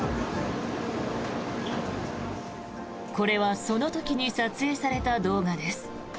これはその時に撮影された動画です。